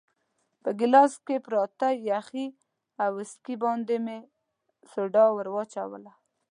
په ګیلاس کې پراته یخي او ویسکي باندې مې سوډا ورو وراچول.